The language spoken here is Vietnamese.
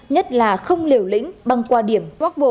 nhất là không liều lĩnh bằng qua điểm